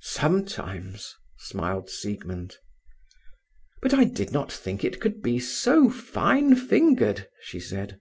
"Sometimes," smiled Siegmund. "But I did not think it could be so fine fingered," she said.